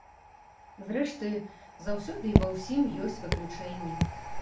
Зрэшты, заўсёды і ва ўсім ёсць выключэнні.